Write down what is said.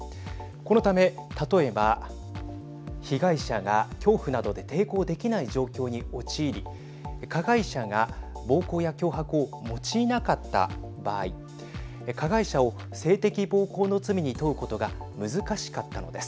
このため例えば被害者が恐怖などで抵抗できない状況に陥り加害者が暴行や脅迫を用いなかった場合加害者を性的暴行の罪に問うことが難しかったのです。